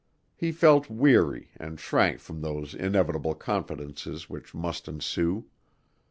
He felt weary and shrank from those inevitable confidences which must ensue.